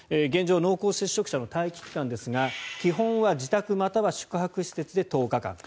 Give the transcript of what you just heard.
現状濃厚接触者の待機期間ですが基本は自宅または宿泊施設で１０日間。